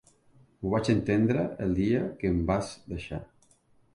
Ho vaig entendre el dia que em vas deixar.